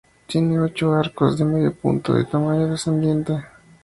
Tiene ocho arcos de medio punto de tamaño descendente.